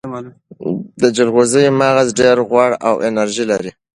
د جلغوزیو مغز ډیر غوړ او انرژي لري.